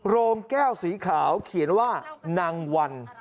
โรงแก้วสีขาวเขียนว่านางวัน